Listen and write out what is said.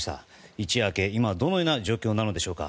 一夜明け、今はどのような状況なのでしょうか。